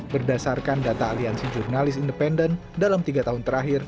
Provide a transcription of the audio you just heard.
berdasarkan data aliansi jurnalis independen dalam tiga tahun terakhir